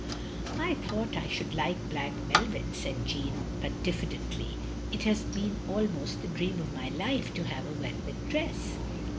" "I thought I should like black velvet," said Jeanne, but diffidently. "It has been almost the dream of my life to have a velvet dress.